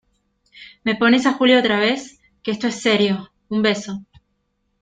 ¿ me pones a Julia otra vez? que esto es serio. un beso .